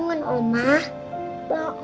dari mbak classrooms